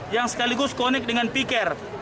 yang sekaligus konek dengan p care